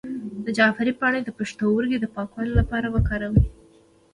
د جعفری پاڼې د پښتورګو د پاکوالي لپاره وکاروئ